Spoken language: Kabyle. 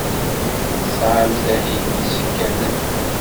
Tesɛamt ahil n yisakalen?